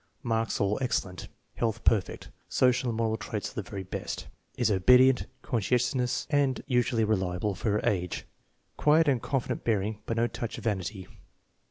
Marks all "excellent." Health perfect. Social and moral traits of the very best. Is obedient, conscientious, and un usually reliable for her age. Quiet and confident bearing, but no touch of vanity.